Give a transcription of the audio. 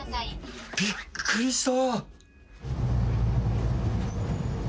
びっくりした！